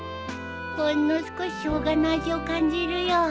ほんの少しショウガの味を感じるよ。